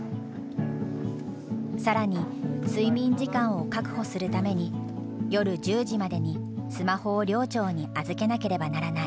更に睡眠時間を確保するために夜１０時までにスマホを寮長に預けなければならない。